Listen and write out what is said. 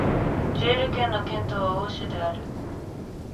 ジェール県の県都はオーシュである